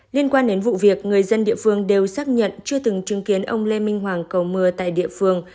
liên quan đến vụ việc người dân địa phương đều xác nhận chưa từng chứng kiến ông lê minh hoàng cầu mưa tại địa phương